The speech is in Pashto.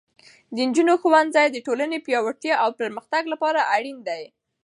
د نجونو ښوونځی د ټولنې پیاوړتیا او پرمختګ لپاره اړین دی.